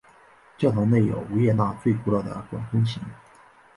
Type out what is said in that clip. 教堂内有维也纳最古老的管风琴。